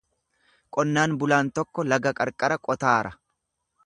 Qonnaan bulaan tokko laga qarqara qotaara.